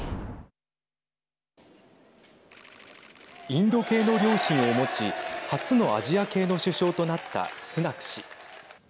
インド系の両親を持ち初のアジア系の首相となったスナク氏。